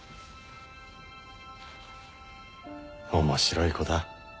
面白い子だ。